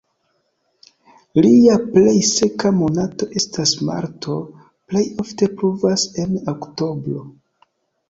Lia plej seka monato estas marto, plej ofte pluvas en oktobro.